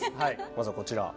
まずはこちら。